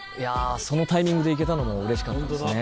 そのタイミングで行けたのもうれしかったですね。